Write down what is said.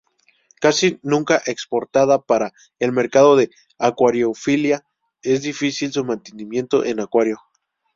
Casi nunca exportada para el mercado de acuariofilia, es difícil su mantenimiento en acuario.